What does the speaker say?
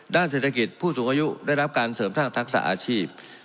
ด้านเศรษฐกิจผู้สูงอายุได้รับการเสริมสร้างทักษะอาชีพ